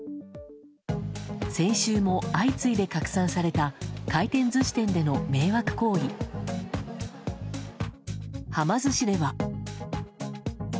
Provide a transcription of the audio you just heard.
先週も相次いで拡散された回転寿司店での迷惑行為。はま寿司では。